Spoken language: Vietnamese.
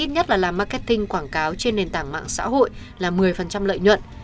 nhất là làm marketing quảng cáo trên nền tảng mạng xã hội là một mươi lợi nhận